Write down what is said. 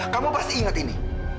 kamu pasti ingat ini